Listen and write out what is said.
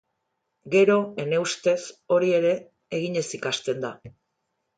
Gero, ene ustez, hori ere, eginez ikasten da.